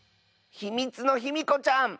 「ひみつのヒミコちゃん」！